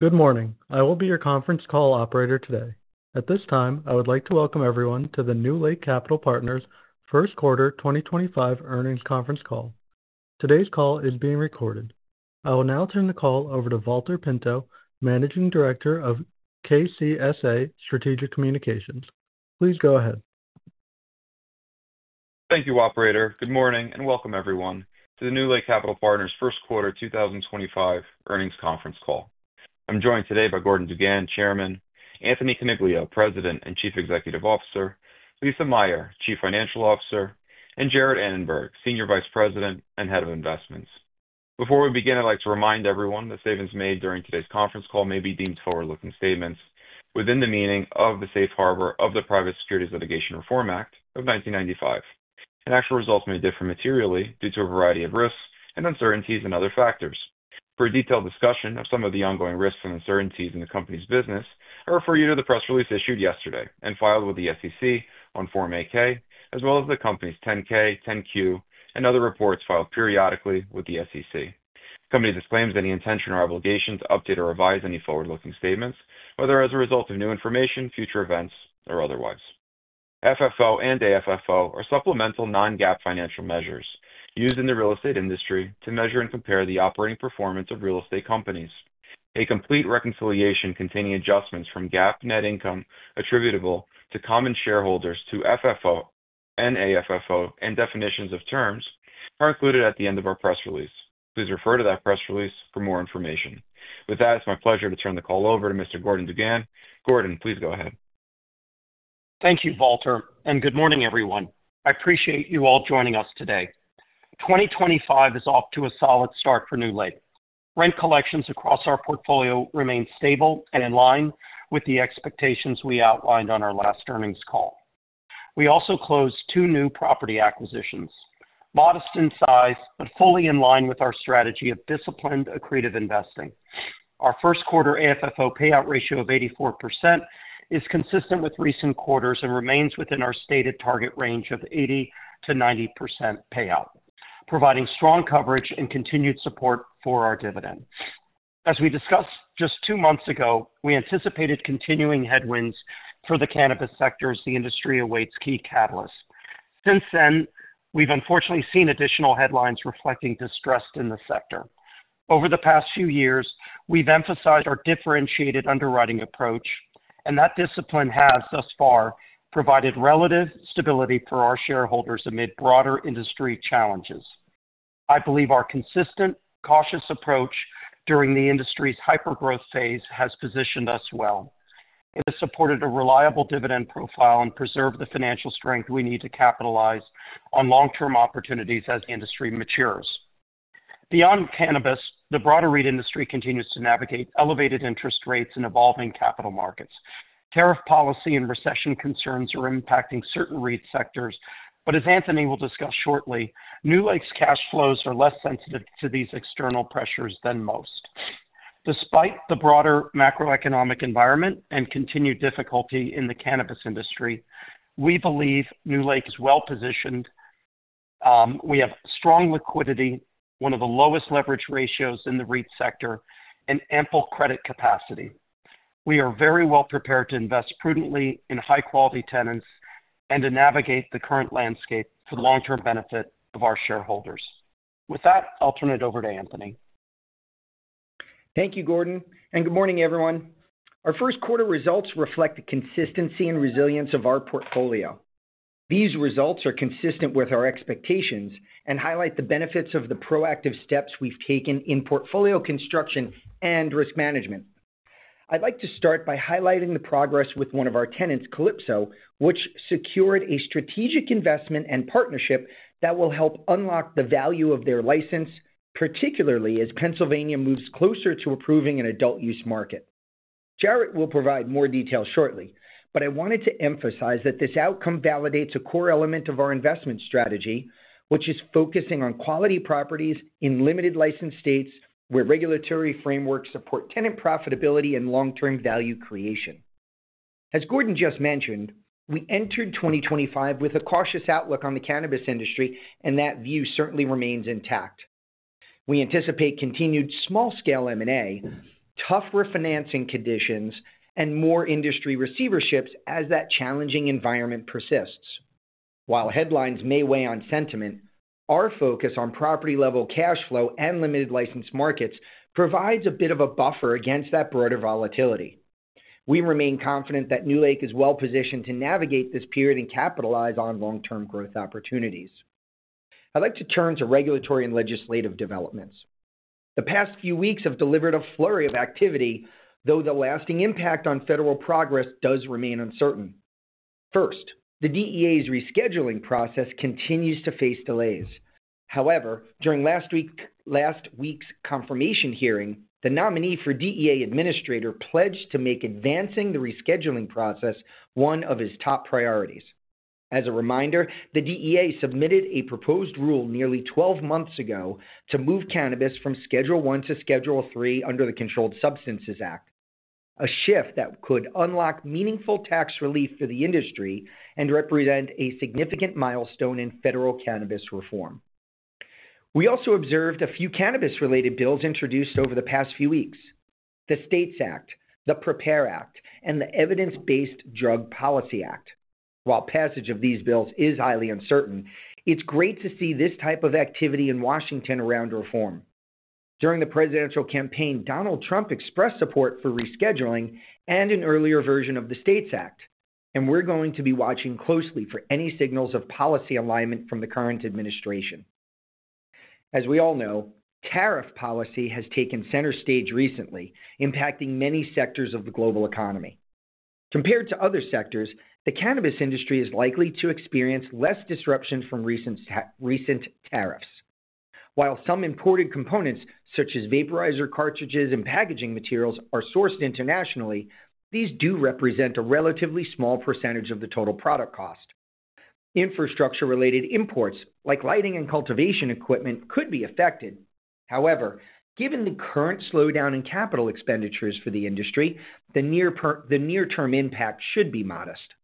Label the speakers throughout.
Speaker 1: Good morning. I will be your conference call operator today. At this time, I would like to welcome everyone to the NewLake Capital Partners First Quarter 2025 Earnings Conference Call. Today's call is being recorded. I will now turn the call over to Valter Pinto, Managing Director of KCSA Strategic Communications. Please go ahead.
Speaker 2: Thank you, Operator. Good morning and welcome, everyone, to the NewLake Capital Partners First Quarter 2025 Earnings Conference Call. I'm joined today by Gordon DuGan, Chairman; Anthony Coniglio, President and Chief Executive Officer; Lisa Meyer, Chief Financial Officer; and Jarrett Annenberg, Senior Vice President and Head of Investments. Before we begin, I'd like to remind everyone that statements made during today's conference call may be deemed forward-looking statements within the meaning of the Safe Harbor of the Private Securities Litigation Reform Act of 1995. Actual results may differ materially due to a variety of risks and uncertainties and other factors. For a detailed discussion of some of the ongoing risks and uncertainties in the company's business, I refer you to the press release issued yesterday and filed with the SEC on Form 8-K, as well as the company's 10-K, 10-Q, and other reports filed periodically with the SEC. The company disclaims any intention or obligation to update or revise any forward-looking statements, whether as a result of new information, future events, or otherwise. FFO and AFFO are supplemental non-GAAP financial measures used in the real estate industry to measure and compare the operating performance of real estate companies. A complete reconciliation containing adjustments from GAAP net income attributable to common shareholders to FFO and AFFO and definitions of terms are included at the end of our press release. Please refer to that press release for more information. With that, it's my pleasure to turn the call over to Mr. Gordon DuGan. Gordon, please go ahead.
Speaker 3: Thank you, Valter, and good morning, everyone. I appreciate you all joining us today. 2025 is off to a solid start for NewLake. Rent collections across our portfolio remain stable and in line with the expectations we outlined on our last earnings call. We also closed two new property acquisitions, modest in size but fully in line with our strategy of disciplined accretive investing. Our first quarter AFFO payout ratio of 84% is consistent with recent quarters and remains within our stated target range of 80%-90% payout, providing strong coverage and continued support for our dividend. As we discussed just two months ago, we anticipated continuing headwinds for the cannabis sector as the industry awaits key catalysts. Since then, we've unfortunately seen additional headlines reflecting distress in the sector. Over the past few years, we've emphasized our differentiated underwriting approach, and that discipline has thus far provided relative stability for our shareholders amid broader industry challenges. I believe our consistent, cautious approach during the industry's hypergrowth phase has positioned us well. It has supported a reliable dividend profile and preserved the financial strength we need to capitalize on long-term opportunities as the industry matures. Beyond cannabis, the broader REIT industry continues to navigate elevated interest rates and evolving capital markets. Tariff policy and recession concerns are impacting certain REIT sectors, but as Anthony will discuss shortly, NewLake's cash flows are less sensitive to these external pressures than most. Despite the broader macroeconomic environment and continued difficulty in the cannabis industry, we believe NewLake is well-positioned. We have strong liquidity, one of the lowest leverage ratios in the REIT sector, and ample credit capacity. We are very well prepared to invest prudently in high-quality tenants and to navigate the current landscape for the long-term benefit of our shareholders. With that, I'll turn it over to Anthony.
Speaker 4: Thank you, Gordon, and good morning, everyone. Our first quarter results reflect the consistency and resilience of our portfolio. These results are consistent with our expectations and highlight the benefits of the proactive steps we've taken in portfolio construction and risk management. I'd like to start by highlighting the progress with one of our tenants, Calypso, which secured a strategic investment and partnership that will help unlock the value of their license, particularly as Pennsylvania moves closer to approving an adult use market. Jarrett will provide more details shortly, but I wanted to emphasize that this outcome validates a core element of our investment strategy, which is focusing on quality properties in limited-license states where regulatory frameworks support tenant profitability and long-term value creation. As Gordon just mentioned, we entered 2025 with a cautious outlook on the cannabis industry, and that view certainly remains intact. We anticipate continued small-scale M&A, tough refinancing conditions, and more industry receiverships as that challenging environment persists. While headlines may weigh on sentiment, our focus on property-level cash flow and limited-license markets provides a bit of a buffer against that broader volatility. We remain confident that NewLake is well-positioned to navigate this period and capitalize on long-term growth opportunities. I'd like to turn to regulatory and legislative developments. The past few weeks have delivered a flurry of activity, though the lasting impact on federal progress does remain uncertain. First, the DEA's rescheduling process continues to face delays. However, during last week's confirmation hearing, the nominee for DEA administrator pledged to make advancing the rescheduling process one of his top priorities. As a reminder, the DEA submitted a proposed rule nearly 12 months ago to move cannabis from Schedule I to Schedule III under the Controlled Substances Act, a shift that could unlock meaningful tax relief for the industry and represent a significant milestone in federal cannabis reform. We also observed a few cannabis-related bills introduced over the past few weeks: the STATES Act, the PREPARE Act, and the Evidence-Based Drug Policy Act. While passage of these bills is highly uncertain, it's great to see this type of activity in Washington around reform. During the presidential campaign, Donald Trump expressed support for rescheduling and an earlier version of the STATES Act, and we're going to be watching closely for any signals of policy alignment from the current administration. As we all know, tariff policy has taken center stage recently, impacting many sectors of the global economy. Compared to other sectors, the cannabis industry is likely to experience less disruption from recent tariffs. While some imported components, such as vaporizer cartridges and packaging materials, are sourced internationally, these do represent a relatively small percentage of the total product cost. Infrastructure-related imports, like lighting and cultivation equipment, could be affected. However, given the current slowdown in capital expenditures for the industry, the near-term impact should be modest.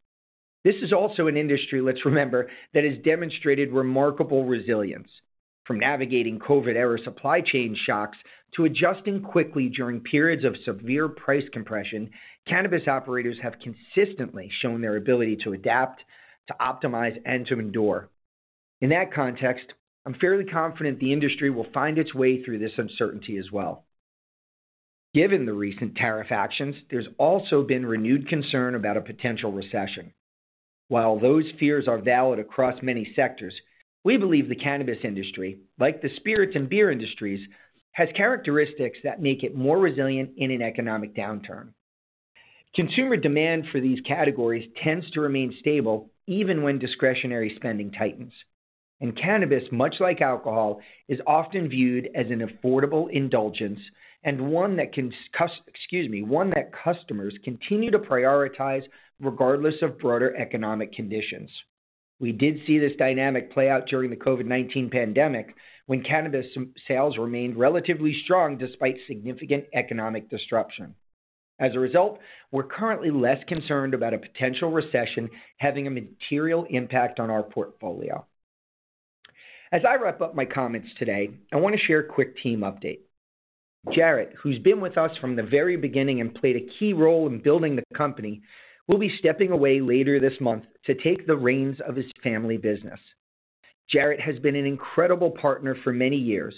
Speaker 4: This is also an industry, let's remember, that has demonstrated remarkable resilience. From navigating COVID-era supply chain shocks to adjusting quickly during periods of severe price compression, cannabis operators have consistently shown their ability to adapt, to optimize, and to endure. In that context, I'm fairly confident the industry will find its way through this uncertainty as well. Given the recent tariff actions, there's also been renewed concern about a potential recession. While those fears are valid across many sectors, we believe the cannabis industry, like the spirits and beer industries, has characteristics that make it more resilient in an economic downturn. Consumer demand for these categories tends to remain stable even when discretionary spending tightens. Cannabis, much like alcohol, is often viewed as an affordable indulgence and one that customers continue to prioritize regardless of broader economic conditions. We did see this dynamic play out during the COVID-19 pandemic when cannabis sales remained relatively strong despite significant economic disruption. As a result, we're currently less concerned about a potential recession having a material impact on our portfolio. As I wrap up my comments today, I want to share a quick team update. Jarrett, who's been with us from the very beginning and played a key role in building the company, will be stepping away later this month to take the reins of his family business. Jarrett has been an incredible partner for many years.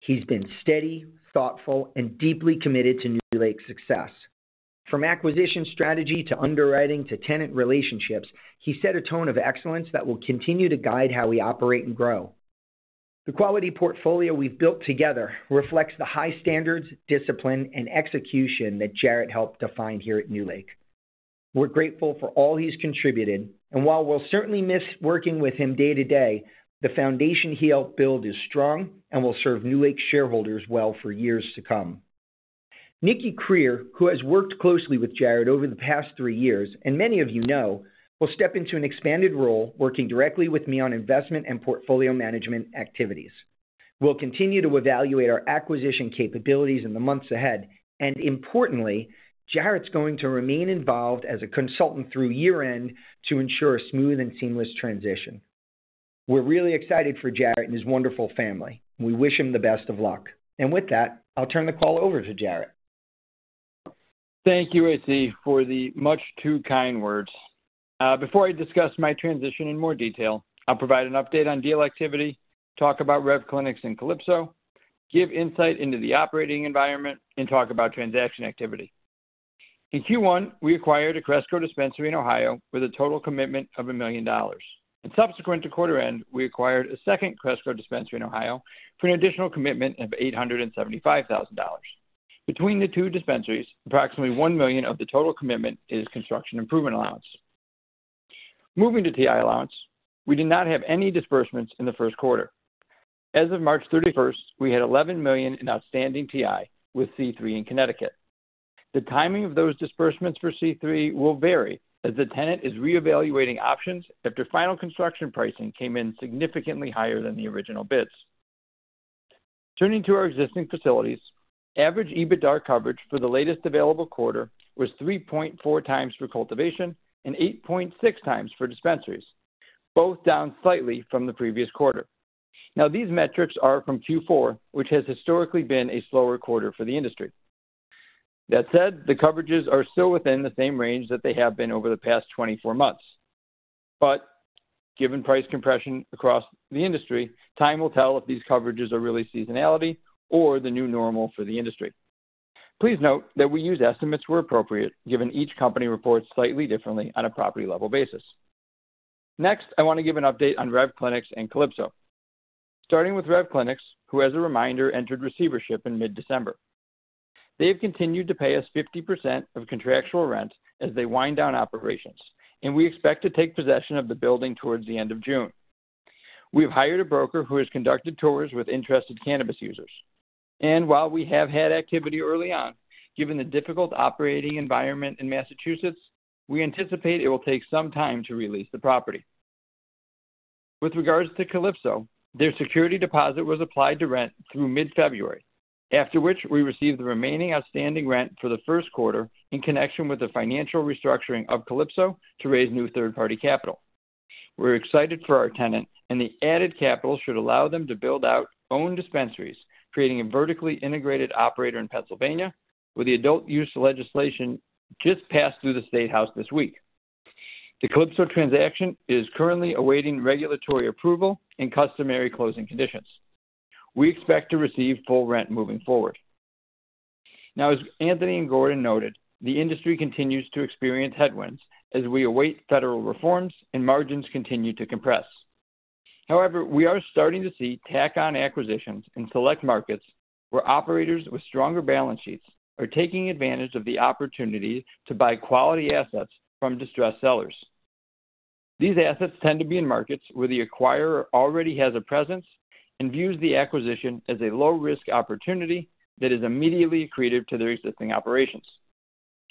Speaker 4: He's been steady, thoughtful, and deeply committed to NewLake's success. From acquisition strategy to underwriting to tenant relationships, he set a tone of excellence that will continue to guide how we operate and grow. The quality portfolio we've built together reflects the high standards, discipline, and execution that Jarrett helped define here at NewLake. We're grateful for all he's contributed, and while we'll certainly miss working with him day to day, the foundation he helped build is strong and will serve NewLake's shareholders well for years to come. Nikki Krier, who has worked closely with Jarrett over the past three years, and many of you know, will step into an expanded role working directly with me on investment and portfolio management activities. We'll continue to evaluate our acquisition capabilities in the months ahead, and importantly, Jarrett's going to remain involved as a consultant through year-end to ensure a smooth and seamless transition. We're really excited for Jarrett and his wonderful family. We wish him the best of luck. With that, I'll turn the call over to Jarrett.
Speaker 5: Thank you, Ritzie, for the much too kind words. Before I discuss my transition in more detail, I'll provide an update on deal activity, talk about Rev Clinics and Calypso, give insight into the operating environment, and talk about transaction activity. In Q1, we acquired a Cresco dispensary in Ohio with a total commitment of $1 million. Subsequent to quarter end, we acquired a second Cresco dispensary in Ohio for an additional commitment of $875,000. Between the two dispensaries, approximately $1 million of the total commitment is construction improvement allowance. Moving to TI allowance, we did not have any disbursements in the first quarter. As of March 31, we had $11 million in outstanding TI with C3 in Connecticut. The timing of those disbursements for C3 will vary as the tenant is reevaluating options after final construction pricing came in significantly higher than the original bids. Turning to our existing facilities, average EBITDA coverage for the latest available quarter was 3.4 times for cultivation and 8.6 times for dispensaries, both down slightly from the previous quarter. Now, these metrics are from Q4, which has historically been a slower quarter for the industry. That said, the coverages are still within the same range that they have been over the past 24 months. Given price compression across the industry, time will tell if these coverages are really seasonality or the new normal for the industry. Please note that we use estimates where appropriate, given each company reports slightly differently on a property-level basis. Next, I want to give an update on Rev Clinics and Calypso. Starting with Rev Clinics, who, as a reminder, entered receivership in mid-December. They have continued to pay us 50% of contractual rent as they wind down operations, and we expect to take possession of the building towards the end of June. We have hired a broker who has conducted tours with interested cannabis users. While we have had activity early on, given the difficult operating environment in Massachusetts, we anticipate it will take some time to release the property. With regards to Calypso, their security deposit was applied to rent through mid-February, after which we received the remaining outstanding rent for the first quarter in connection with the financial restructuring of Calypso to raise new third-party capital. We are excited for our tenant, and the added capital should allow them to build out own dispensaries, creating a vertically integrated operator in Pennsylvania with the adult use legislation just passed through the State House this week. The Calypso transaction is currently awaiting regulatory approval and customary closing conditions. We expect to receive full rent moving forward. Now, as Anthony and Gordon noted, the industry continues to experience headwinds as we await federal reforms and margins continue to compress. However, we are starting to see tack-on acquisitions in select markets where operators with stronger balance sheets are taking advantage of the opportunity to buy quality assets from distressed sellers. These assets tend to be in markets where the acquirer already has a presence and views the acquisition as a low-risk opportunity that is immediately accretive to their existing operations.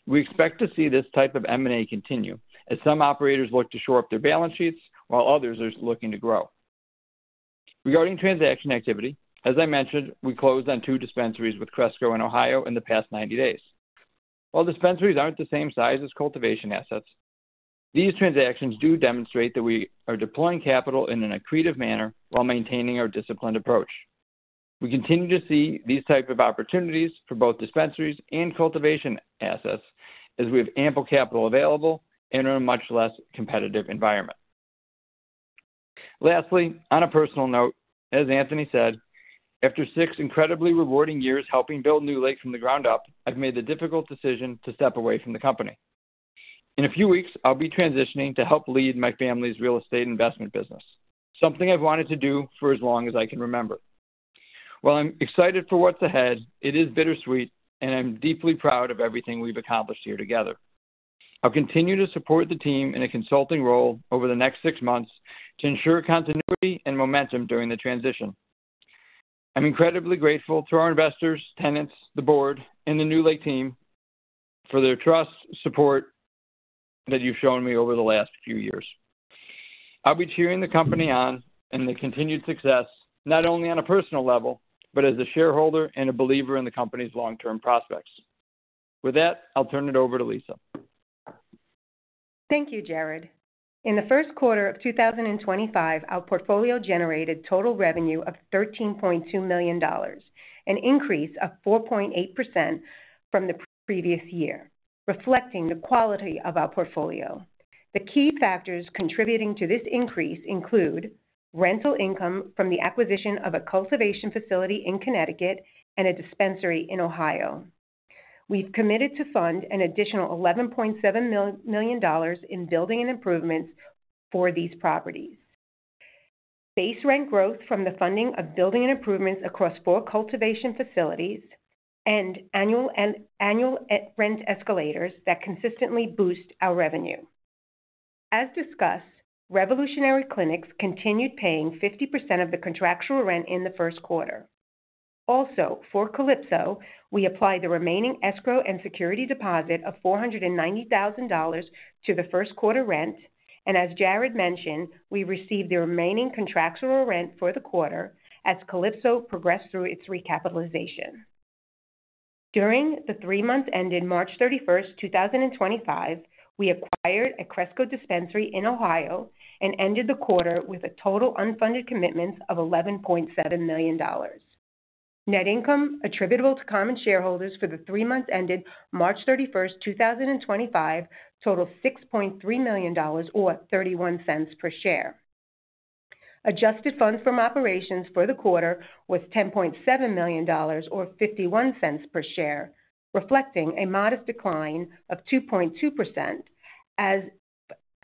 Speaker 5: We expect to see this type of M&A continue as some operators look to shore up their balance sheets while others are looking to grow. Regarding transaction activity, as I mentioned, we closed on two dispensaries with Cresco in Ohio in the past 90 days. While dispensaries aren't the same size as cultivation assets, these transactions do demonstrate that we are deploying capital in an accretive manner while maintaining our disciplined approach. We continue to see these types of opportunities for both dispensaries and cultivation assets as we have ample capital available and are in a much less competitive environment. Lastly, on a personal note, as Anthony said, after six incredibly rewarding years helping build NewLake from the ground up, I've made the difficult decision to step away from the company. In a few weeks, I'll be transitioning to help lead my family's real estate investment business, something I've wanted to do for as long as I can remember. While I'm excited for what's ahead, it is bittersweet, and I'm deeply proud of everything we've accomplished here together. I'll continue to support the team in a consulting role over the next six months to ensure continuity and momentum during the transition. I'm incredibly grateful to our investors, tenants, the board, and the NewLake team for the trust and support that you've shown me over the last few years. I'll be cheering the company on and the continued success, not only on a personal level, but as a shareholder and a believer in the company's long-term prospects. With that, I'll turn it over to Lisa.
Speaker 6: Thank you, Jarrett. In the first quarter of 2025, our portfolio generated total revenue of $13.2 million, an increase of 4.8% from the previous year, reflecting the quality of our portfolio. The key factors contributing to this increase include rental income from the acquisition of a cultivation facility in Connecticut and a dispensary in Ohio. We've committed to fund an additional $11.7 million in building and improvements for these properties, base rent growth from the funding of building and improvements across four cultivation facilities, and annual rent escalators that consistently boost our revenue. As discussed, Revolutionary Clinics continued paying 50% of the contractual rent in the first quarter. Also, for Calypso, we applied the remaining escrow and security deposit of $490,000 to the first quarter rent, and as Jarrett mentioned, we received the remaining contractual rent for the quarter as Calypso progressed through its recapitalization. During the three months ended March 31, 2025, we acquired a Cresco dispensary in Ohio and ended the quarter with total unfunded commitments of $11.7 million. Net income attributable to common shareholders for the three months ended March 31, 2025 totaled $6.3 million, or $0.31 per share. Adjusted funds from operations for the quarter was $10.7 million, or $0.51 per share, reflecting a modest decline of 2.2% as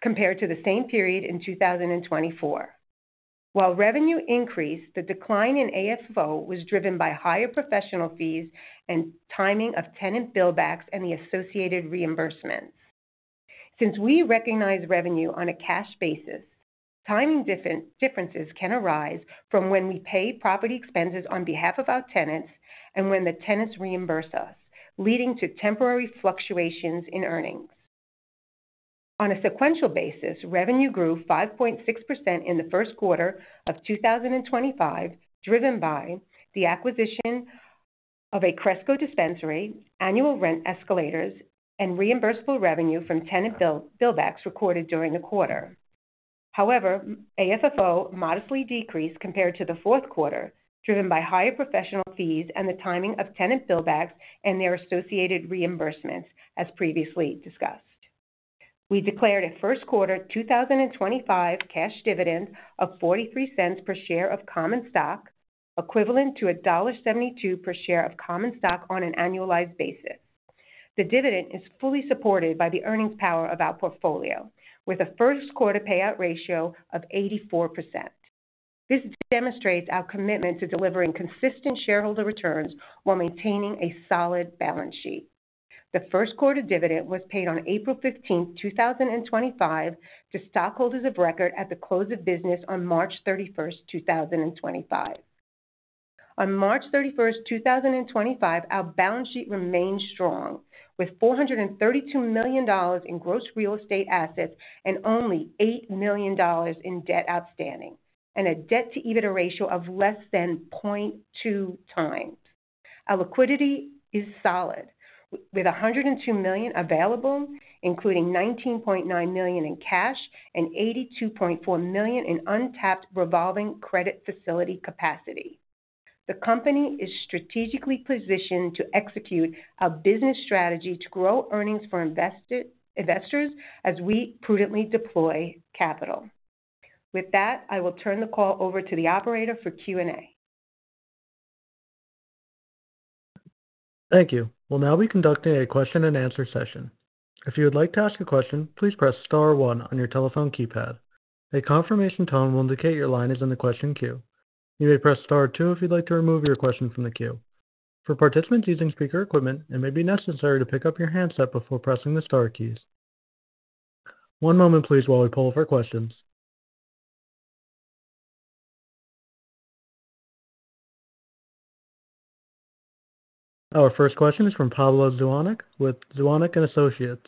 Speaker 6: compared to the same period in 2024. While revenue increased, the decline in AFFO was driven by higher professional fees and timing of tenant buildbacks and the associated reimbursements. Since we recognize revenue on a cash basis, timing differences can arise from when we pay property expenses on behalf of our tenants and when the tenants reimburse us, leading to temporary fluctuations in earnings. On a sequential basis, revenue grew 5.6% in the first quarter of 2025, driven by the acquisition of a Cresco dispensary, annual rent escalators, and reimbursable revenue from tenant buildbacks recorded during the quarter. However, AFFO modestly decreased compared to the fourth quarter, driven by higher professional fees and the timing of tenant buildbacks and their associated reimbursements, as previously discussed. We declared a first quarter 2025 cash dividend of $0.43 per share of common stock, equivalent to $1.72 per share of common stock on an annualized basis. The dividend is fully supported by the earnings power of our portfolio, with a first quarter payout ratio of 84%. This demonstrates our commitment to delivering consistent shareholder returns while maintaining a solid balance sheet. The first quarter dividend was paid on April 15, 2025, to stockholders of record at the close of business on March 31, 2025. On March 31, 2025, our balance sheet remained strong, with $432 million in gross real estate assets and only $8 million in debt outstanding, and a debt-to-EBITDA ratio of less than 0.2 times. Our liquidity is solid, with $102 million available, including $19.9 million in cash and $82.4 million in untapped revolving credit facility capacity. The company is strategically positioned to execute a business strategy to grow earnings for investors as we prudently deploy capital. With that, I will turn the call over to the operator for Q&A.
Speaker 1: Thank you. We'll now be conducting a question-and-answer session. If you would like to ask a question, please press star 1 on your telephone keypad. A confirmation tone will indicate your line is in the question queue. You may press star 2 if you'd like to remove your question from the queue. For participants using speaker equipment, it may be necessary to pick up your handset before pressing the star keys. One moment, please, while we pull up our questions. Our first question is from Pablo Zuanic with Zuanic & Associates.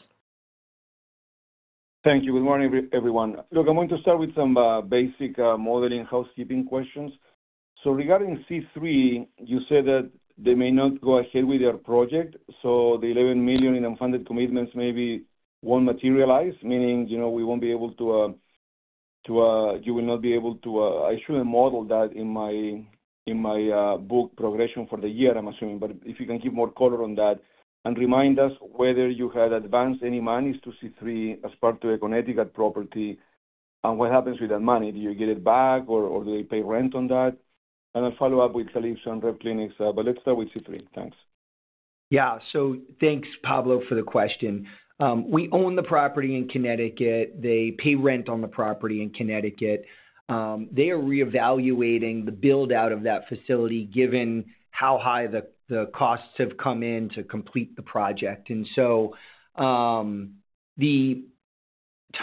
Speaker 7: Thank you. Good morning, everyone. Look, I'm going to start with some basic modeling housekeeping questions. So regarding C3, you said that they may not go ahead with their project, so the $11 million in unfunded commitments maybe won't materialize, meaning we won't be able to—you will not be able to—I shouldn't model that in my book progression for the year, I'm assuming, but if you can give more color on that and remind us whether you had advanced any monies to C3 as part of a Connecticut property and what happens with that money. Do you get it back, or do they pay rent on that? I'll follow up with Calypso and Rev Clinics, but let's start with C3. Thanks.
Speaker 4: Thanks, Pablo, for the question. We own the property in Connecticut. They pay rent on the property in Connecticut. They are reevaluating the build-out of that facility given how high the costs have come in to complete the project. The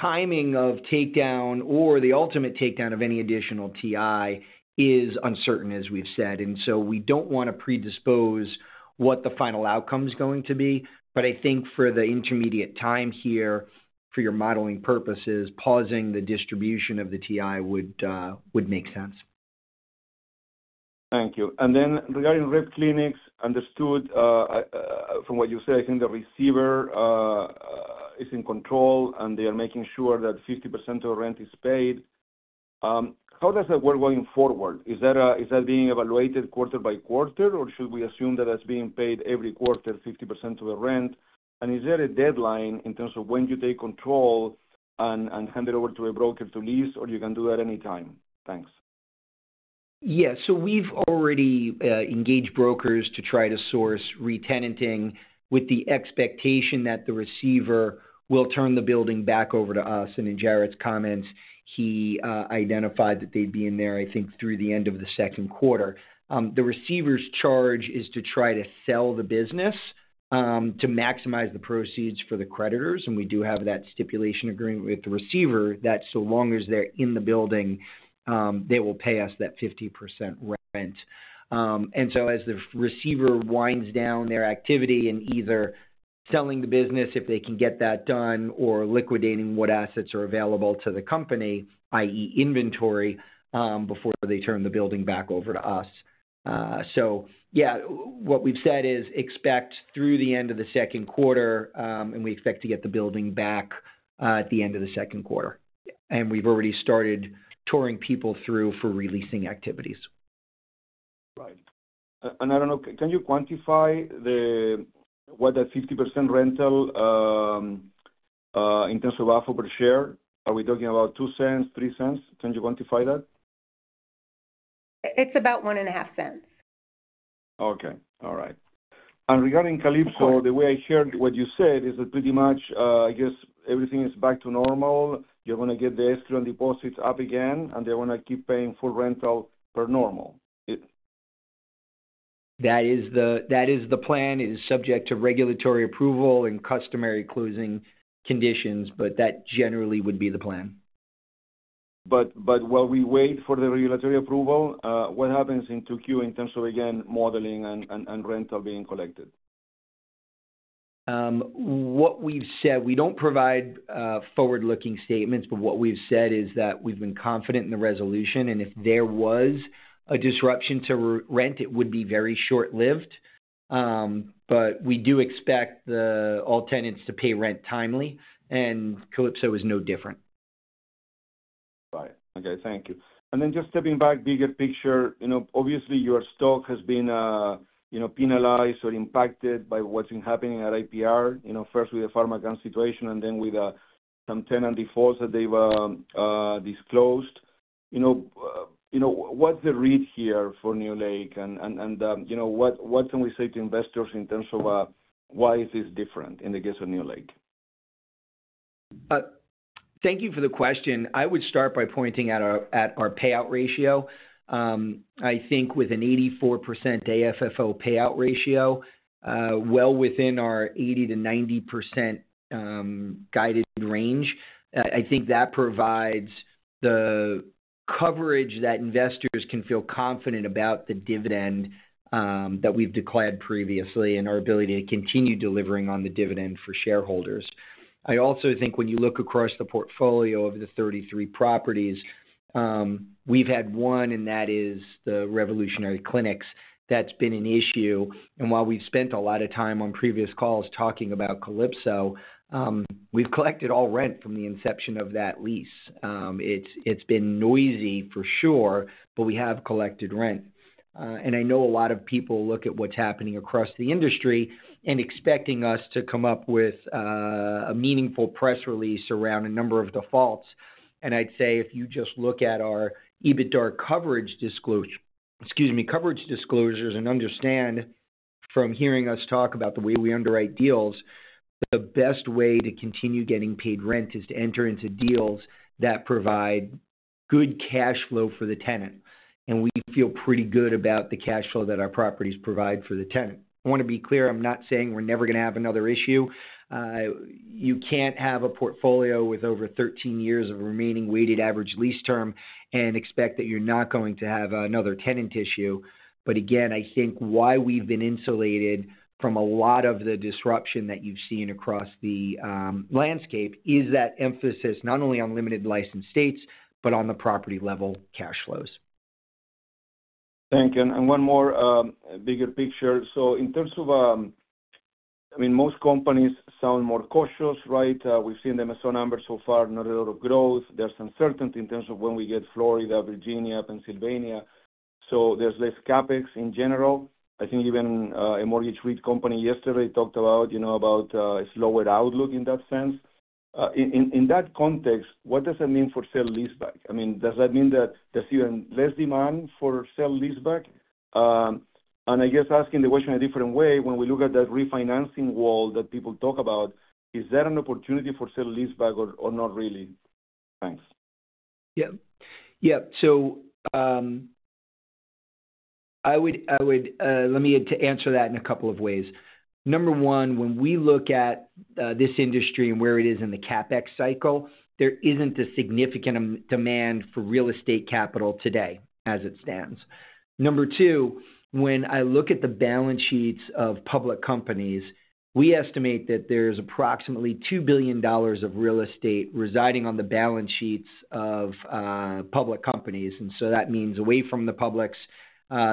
Speaker 4: timing of takedown or the ultimate takedown of any additional TI is uncertain, as we've said. We do not want to predispose what the final outcome is going to be, but I think for the intermediate time here, for your modeling purposes, pausing the distribution of the TI would make sense.
Speaker 7: Thank you. Regarding Rev Clinics, understood from what you said, I think the receiver is in control and they are making sure that 50% of the rent is paid. How does that work going forward? Is that being evaluated quarter by quarter, or should we assume that is being paid every quarter, 50% of the rent? Is there a deadline in terms of when you take control and hand it over to a broker to lease, or you can do that anytime? Thanks.
Speaker 4: We have already engaged brokers to try to source retenanting with the expectation that the receiver will turn the building back over to us. In Jarrett's comments, he identified that they would be in there, I think, through the end of the second quarter. The receiver's charge is to try to sell the business to maximize the proceeds for the creditors, and we do have that stipulation agreement with the receiver that so long as they are in the building, they will pay us that 50% rent. As the receiver winds down their activity in either selling the business, if they can get that done, or liquidating what assets are available to the company, i.e., inventory, before they turn the building back over to us. What we've said is expect through the end of the second quarter, and we expect to get the building back at the end of the second quarter. We've already started touring people through for releasing activities.
Speaker 7: Right. I do not know, can you quantify what that 50% rental in terms of half of a share? Are we talking about $0.02, $0.03? Can you quantify that?
Speaker 6: It's about $0.015.
Speaker 7: Okay. All right. Regarding Calypso, the way I heard what you said is that pretty much, I guess, everything is back to normal. You're going to get the escrow and deposits up again, and they're going to keep paying full rental per normal.
Speaker 4: That is the plan. It is subject to regulatory approval and customary closing conditions, but that generally would be the plan.
Speaker 7: While we wait for the regulatory approval, what happens in Q2 in terms of, again, modeling and rental being collected?
Speaker 4: What we've said—we do not provide forward-looking statements, but what we've said is that we've been confident in the resolution, and if there was a disruption to rent, it would be very short-lived. We do expect all tenants to pay rent timely, and Calypso is no different.
Speaker 7: Right. Okay. Thank you. Just stepping back, bigger picture, obviously, your stock has been penalized or impacted by what's been happening at IPR, first with the PharmaCann situation and then with some tenant defaults that they've disclosed. What's the read here for NewLake, and what can we say to investors in terms of why is this different in the case of NewLake?
Speaker 4: Thank you for the question. I would start by pointing out our payout ratio. I think with an 84% AFFO payout ratio, well within our 80-90% guided range, I think that provides the coverage that investors can feel confident about the dividend that we've declared previously and our ability to continue delivering on the dividend for shareholders. I also think when you look across the portfolio of the 33 properties, we've had one, and that is the Revolutionary Clinics. That's been an issue. While we've spent a lot of time on previous calls talking about Calypso, we've collected all rent from the inception of that lease. It's been noisy, for sure, but we have collected rent. I know a lot of people look at what's happening across the industry and expecting us to come up with a meaningful press release around a number of defaults. I'd say if you just look at our EBITDA coverage disclosures and understand from hearing us talk about the way we underwrite deals, the best way to continue getting paid rent is to enter into deals that provide good cash flow for the tenant. We feel pretty good about the cash flow that our properties provide for the tenant. I want to be clear. I'm not saying we're never going to have another issue. You can't have a portfolio with over 13 years of remaining weighted average lease term and expect that you're not going to have another tenant issue. Again, I think why we've been insulated from a lot of the disruption that you've seen across the landscape is that emphasis not only on limited license states, but on the property-level cash flows.
Speaker 7: Thank you. And one more bigger picture. In terms of, I mean, most companies sound more cautious, right? We've seen the MSO number so far, not a lot of growth. There's uncertainty in terms of when we get Florida, Virginia, Pennsylvania. There's less CapEx in general. I think even a mortgage REIT company yesterday talked about a slower outlook in that sense. In that context, what does that mean for sale-leaseback? I mean, does that mean that there's even less demand for sale-leaseback? I guess asking the question a different way, when we look at that refinancing wall that people talk about, is that an opportunity for sale-leaseback or not really? Thanks.
Speaker 4: Let me answer that in a couple of ways. Number one, when we look at this industry and where it is in the CapEx cycle, there is not a significant demand for real estate capital today as it stands. Number two, when I look at the balance sheets of public companies, we estimate that there is approximately $2 billion of real estate residing on the balance sheets of public companies. That means away from the publics,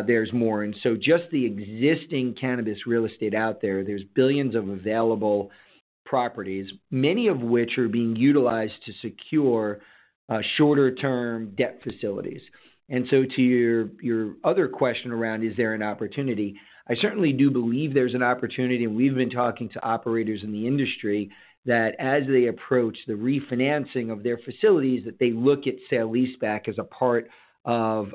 Speaker 4: there is more. Just the existing cannabis real estate out there, there are billions of available properties, many of which are being utilized to secure shorter-term debt facilities. To your other question around, is there an opportunity? I certainly do believe there's an opportunity, and we've been talking to operators in the industry that as they approach the refinancing of their facilities, that they look at sale-leaseback as a part of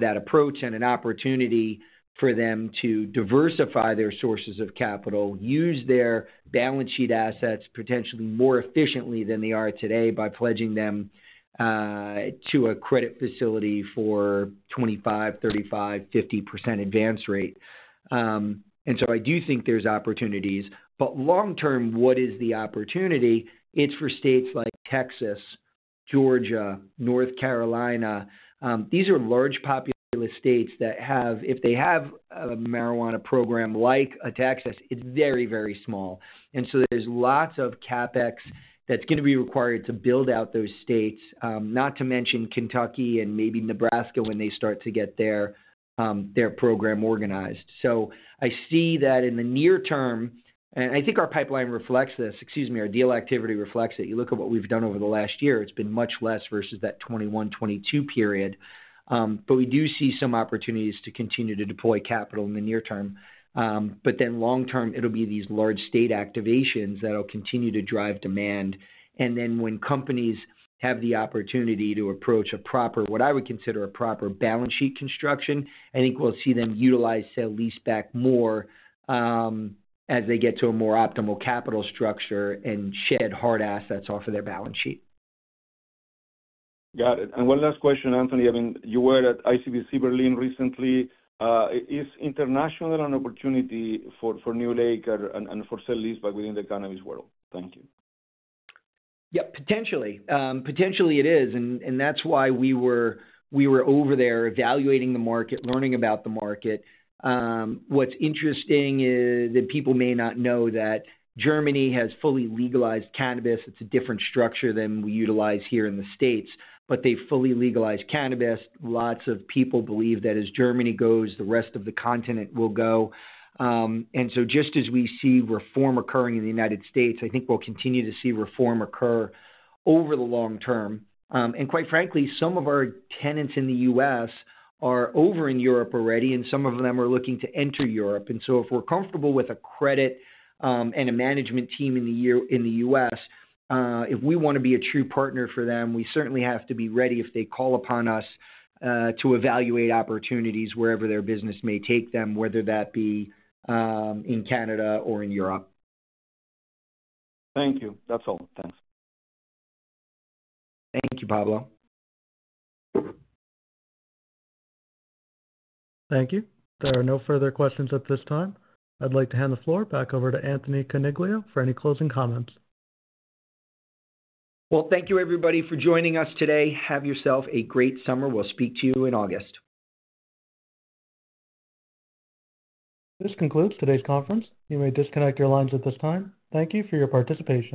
Speaker 4: that approach and an opportunity for them to diversify their sources of capital, use their balance sheet assets potentially more efficiently than they are today by pledging them to a credit facility for 25%, 35%, 50% advance rate. I do think there's opportunities. Long-term, what is the opportunity? It's for states like Texas, Georgia, North Carolina. These are large populous states that have, if they have a marijuana program like a Texas, it's very, very small. There's lots of CapEx that's going to be required to build out those states, not to mention Kentucky and maybe Nebraska when they start to get their program organized. I see that in the near term, and I think our pipeline reflects this, excuse me, our deal activity reflects it. You look at what we've done over the last year, it's been much less versus that 2021, 2022 period. We do see some opportunities to continue to deploy capital in the near term. Long-term, it'll be these large state activations that'll continue to drive demand. When companies have the opportunity to approach a proper, what I would consider a proper balance sheet construction, I think we'll see them utilize sale-leaseback more as they get to a more optimal capital structure and shed hard assets off of their balance sheet.
Speaker 7: Got it. And one last question, Anthony. I mean, you were at ICBC Berlin recently. Is international an opportunity for NewLake and for sale-leaseback within the cannabis world? Thank you.
Speaker 4: Potentially. Potentially it is. That is why we were over there evaluating the market, learning about the market. What's interesting is that people may not know that Germany has fully legalized cannabis. It's a different structure than we utilize here in the States, but they fully legalize cannabis. Lots of people believe that as Germany goes, the rest of the continent will go. Just as we see reform occurring in the United States, I think we'll continue to see reform occur over the long term. Quite frankly, some of our tenants in the U.S. are over in Europe already, and some of them are looking to enter Europe. If we're comfortable with a credit and a management team in the U.S., if we want to be a true partner for them, we certainly have to be ready if they call upon us to evaluate opportunities wherever their business may take them, whether that be in Canada or in Europe.
Speaker 7: Thank you. That's all. Thanks.
Speaker 4: Thank you, Pablo.
Speaker 1: Thank you. There are no further questions at this time. I'd like to hand the floor back over to Anthony Coniglio for any closing comments.
Speaker 4: Thank you, everybody, for joining us today. Have yourself a great summer. We'll speak to you in August.
Speaker 1: This concludes today's conference. You may disconnect your lines at this time. Thank you for your participation.